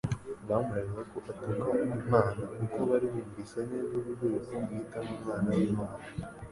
Bamuregaga ko atuka Imana kuko bari bumvise neza uburyo rukumbi yiyitamo Umwana w'Imana.